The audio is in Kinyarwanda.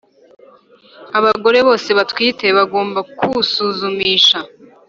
Abagore bose batwite bagomba kwusuzumisha